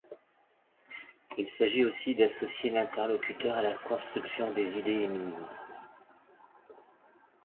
Il s'agit aussi d'associer l'interlocuteur à la construction des idées émises.